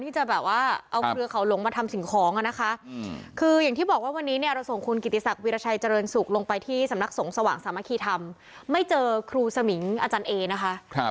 จากวิราชัยเจริญศุกร์ลงไปที่สำนักสงสว่างสามัคคีธรรมไม่เจอครูสมิงอาจารย์เอนะคะ